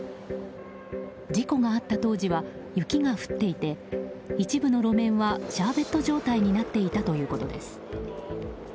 事故があった当時は雪が降っていて一部の路面はシャーベット状態になっていたということです。